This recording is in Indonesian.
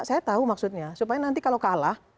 saya tahu maksudnya supaya nanti kalau kalah